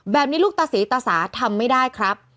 แบบนี้ลูกตาศรีตาศาทำไม่ได้ครับ